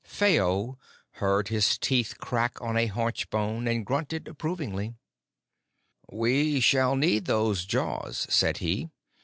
Phao heard his teeth crack on a haunch bone and grunted approvingly. "We shall need those jaws," said he.